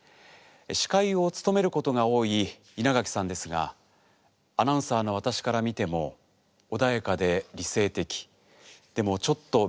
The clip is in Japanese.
司会を務めることが多い稲垣さんですがアナウンサーの私から見ても穏やかで理性的でもちょっとミステリアス。